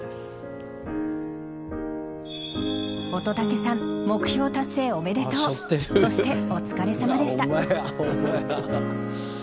乙武さん目標達成おめでとうそして、お疲れさまでした。